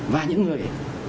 và những người